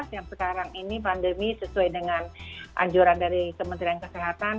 yang sekarang ini pandemi sesuai dengan anjuran dari kementerian kesehatan